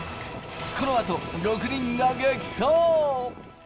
このあと６人が激走！